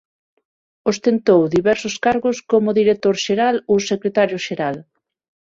Ostentou diversos cargos como Director Xeral ou Secretario Xeral.